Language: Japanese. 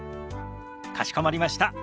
かしこまりました。